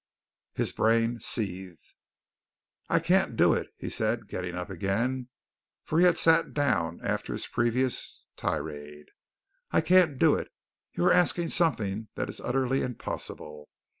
His brain seethed. "I can't do it," he said, getting up again, for he had sat down after his previous tirade. "I can't do it. You are asking something that is utterly impossible.